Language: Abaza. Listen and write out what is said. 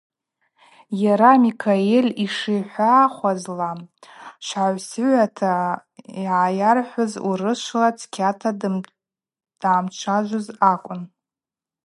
Йара Микаэль йшихӏвахуазла, швхӏаусыгӏвата йгӏайархӏвыз урышвла цкьата дъамчважвуз акӏвын.